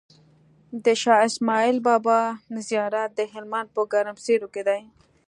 د شاهاسماعيل بابا زيارت دهلمند په ګرمسير کی دی